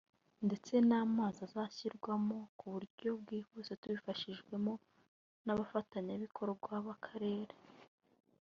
ndetse n’amazi azashyirwamo ku buryo bwihuse tubifashijwemo n’abafatanyabikorwa b’Akarere